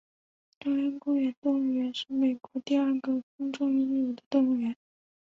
中央公园动物园是美国第二个公众拥有的动物园。